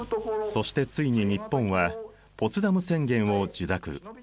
そしてついに日本はポツダム宣言を受諾。